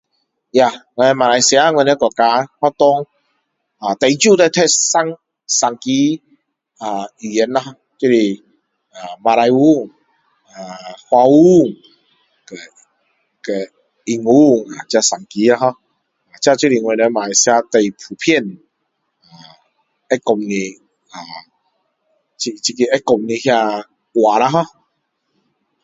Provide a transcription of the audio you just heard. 呀马来西亚我们加学校最少